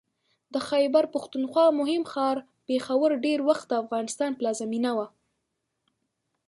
د خیبر پښتونخوا مهم ښار پېښور ډېر وخت د افغانستان پلازمېنه وه